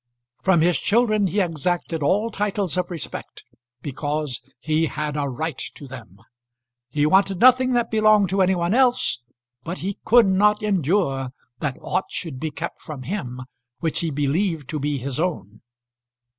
From his children he exacted all titles of respect, because he had a right to them. He wanted nothing that belonged to any one else, but he could not endure that aught should be kept from him which he believed to be his own.